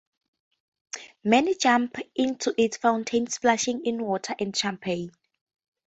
Many jumped into its fountain, splashing in water and champagne.